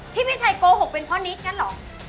ที่พี่ชัยโกหกเป็นเพราะนิทกันหรอ